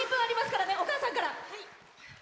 お母さんから。